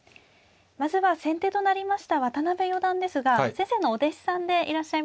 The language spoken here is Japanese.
まずは先手となりました渡辺四段ですが先生のお弟子さんでいらっしゃいますね。